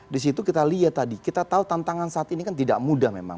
di situ kita lihat tadi kita tahu tantangan saat ini kan tidak mudah memang